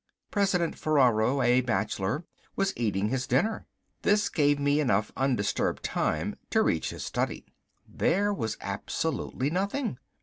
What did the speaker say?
President Ferraro, a bachelor, was eating his dinner. This gave me enough undisturbed time to search his study. There was absolutely nothing.